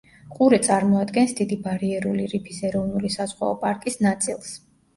ყურე წარმოადგენს დიდი ბარიერული რიფის ეროვნული საზღვაო პარკის ნაწილს.